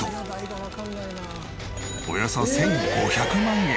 およそ１５００万円！